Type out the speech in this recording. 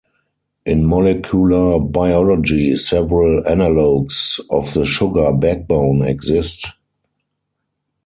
In molecular biology, several analogues of the sugar backbone exist.